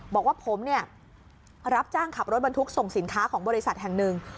บอกว่าผมเนี่ยรับจ้างขับรถบรรทุกส่งสินค้าของบริษัทแห่งหนึ่ง